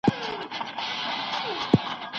سازمانونه څنګه د کډوالو ستونزي حل کوي؟